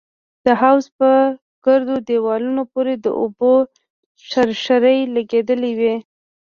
د حوض په ګردو دېوالونو پورې د اوبو شرشرې لگېدلې وې.